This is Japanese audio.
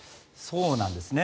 そうなんですね。